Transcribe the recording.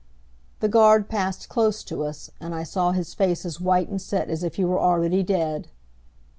The guard passed close to us, and I saw his face as white and set as if he were already dead.